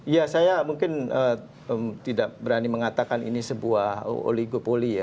ya saya mungkin tidak berani mengatakan ini sebuah oligopoli ya